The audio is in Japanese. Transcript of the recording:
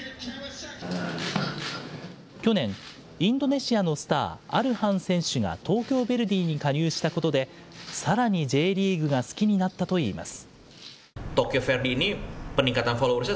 去年、インドネシアのスター、アルハン選手が東京ヴェルディに加入したことで、さらにＪリーグが好きになったといいます。